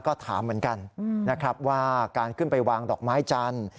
ก็ถามเหมือนกันนะครับว่าการขึ้นไปวางดอกไม้จันทร์